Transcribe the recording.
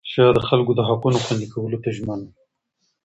شاه د خلکو د حقونو خوندي کولو ته ژمن و.